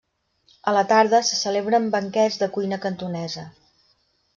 A la tarda se celebren banquets de cuina cantonesa.